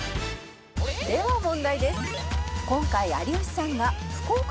では問題です」